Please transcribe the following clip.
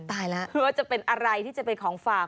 เพื่อว่าจะเป็นอะไรที่จะเป็นของฝาก